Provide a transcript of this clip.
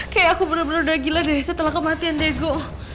kayak aku bener bener udah gila deh setelah kematian diego